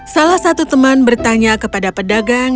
salah satu teman bertanya kepada pedagang